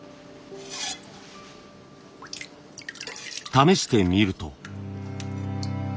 試してみると。